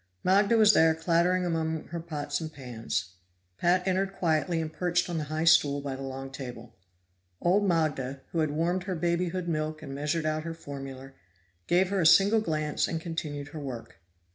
Magda was there clattering among her pots and pans; Pat entered quietly and perched on the high stool by the long table. Old Magda, who had warmed her babyhood milk and measured out her formula, gave her a single glance and continued her work.